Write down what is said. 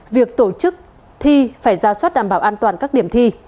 việc tổ chức thi phải ra soát đảm bảo an toàn các điểm thi